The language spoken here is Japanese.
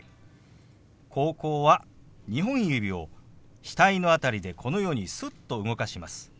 「高校」は２本指を額の辺りでこのようにすっと動かします。